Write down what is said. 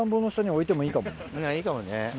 いいかもね。